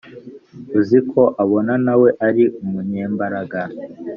uziko abona nawe ari umunyembaraga